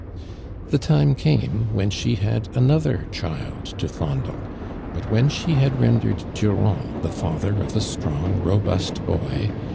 The time came when she hail another child to fondle, but when she had rendered Durand the father of a strong robu 1 boy.